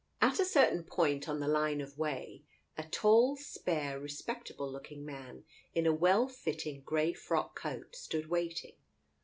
At a certain point on the line of way, a tall, spare, respectable looking man in a well fitting grey frock coat stood waiting.